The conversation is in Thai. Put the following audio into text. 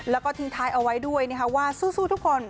แล้วก็ทิ้งท้ายเอาไว้ด้วยว่าสู้ทุกคน